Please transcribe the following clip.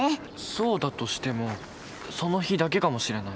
そうだとしてもその日だけかもしれない。